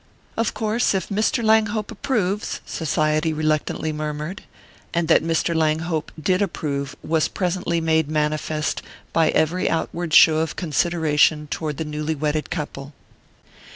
"Of course, if Mr. Langhope approves " society reluctantly murmured; and that Mr. Langhope did approve was presently made manifest by every outward show of consideration toward the newly wedded couple.